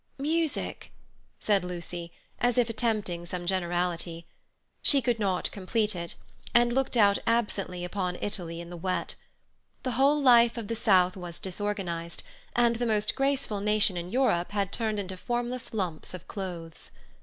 "Music—" said Lucy, as if attempting some generality. She could not complete it, and looked out absently upon Italy in the wet. The whole life of the South was disorganized, and the most graceful nation in Europe had turned into formless lumps of clothes.